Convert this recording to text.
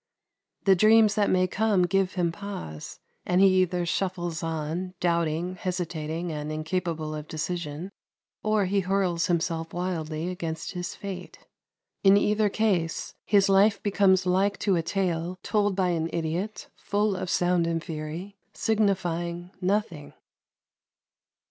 The dreams that may come give him pause, and he either shuffles on, doubting, hesitating, and incapable of decision, or he hurls himself wildly against his fate. In either case his life becomes like to a tale "Told by an idiot, full of sound and fury, Signifying nothing!"